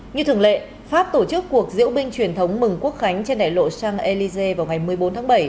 như thường lệ pháp tổ chức cuộc diễu binh truyền thống mừng quốc khánh trên đại lộ chang élysé vào ngày một mươi bốn tháng bảy